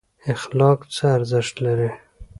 اخلاق څه ارزښت لري؟